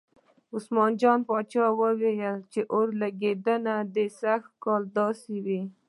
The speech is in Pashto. عثمان جان پاچا ویل چې اورلګید دې سږ کال داسې وي.